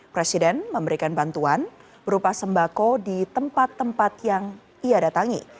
presiden memberikan bantuan berupa sembako di tempat tempat yang ia datangi